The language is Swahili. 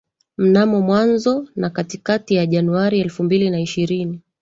Mnamo mwanzo na katikati ya Januari elfu mbili na ishirini